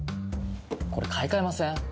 これ買い替えません？